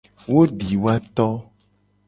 Wo di woa to.